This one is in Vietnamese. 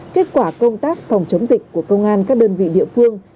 kết quả công tác phòng chống dịch của công an các đơn vị địa phương